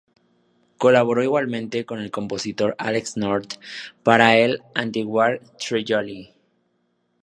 Colaboró igualmente con el compositor Alex North para el "Anti-War Trilogy".